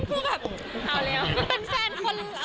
คือแบบเป็นแฟนคน